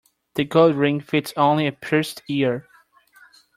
The gold ring fits only a pierced ear.